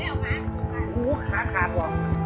อ้าวตายแล้ว